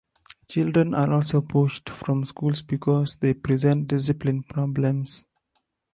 Children are also pushed from schools because they present discipline problems.